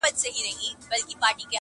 • ته یې کاږه زموږ لپاره خدای عادل دی..